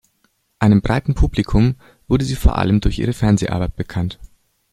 Einem breiten Publikum wurde sie vor allem durch ihre Fernseharbeit bekannt.